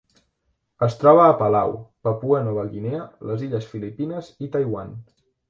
Es troba a Palau, Papua Nova Guinea, les illes Filipines i Taiwan.